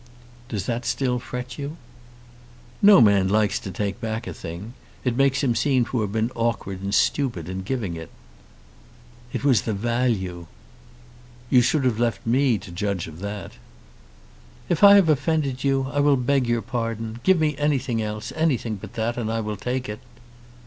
"Does that still fret you?" "No man likes to take back a thing. It makes him seem to have been awkward and stupid in giving it." "It was the value " "You should have left me to judge of that." "If I have offended you I will beg your pardon. Give me anything else, anything but that, and I will take it."